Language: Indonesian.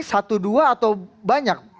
satu dua atau banyak